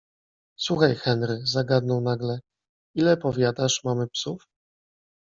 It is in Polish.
- Słuchaj, Henry - zagadnął nagle - ile, powiadasz, mamy psów?